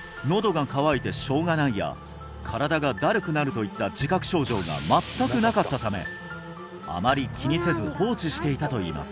「喉が渇いてしょうがない」や「身体がだるくなる」といった自覚症状が全くなかったためあまり気にせず放置していたといいます